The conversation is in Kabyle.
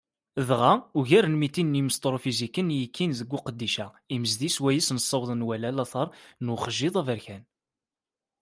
Dɣa, ugar n mitin n yimsṭrufiziken i yekkin deg uqeddic-a imezdi swayes nessaweḍ nwala later n uxjiḍ aberkan.